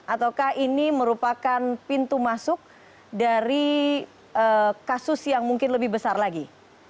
ataukah ini merupakan pintu masuk dari kasus yang mungkin lebih besar lagi